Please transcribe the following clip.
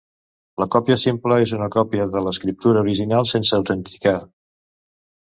La còpia simple és una còpia de l'escriptura original sense autenticar.